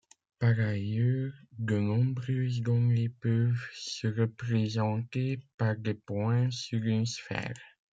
Par ailleurs, de nombreuses données peuvent se représenter par des points sur une sphère.